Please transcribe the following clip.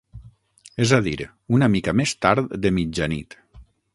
És a dir, una mica més tard de mitjanit.